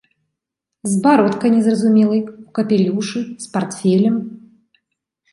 З бародкай незразумелай, у капелюшы, з партфелем.